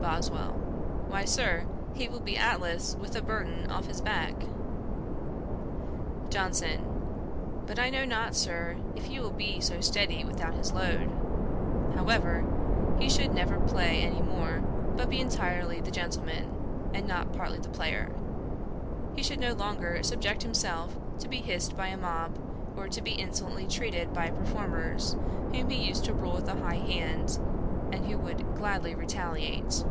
BOSWELL. 'Why, Sir, he will be Atlas with the burthen off his back.' JOHNSON. 'But I know not, Sir, if he will be so steady without his load. However, he should never play any more, but be entirely the gentleman, and not partly the player: he should no longer subject himself to be hissed by a mob, or to be insolently treated by performers, whom he used to rule with a high hand, and who would gladly retaliate.'